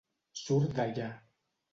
Surt d'allà.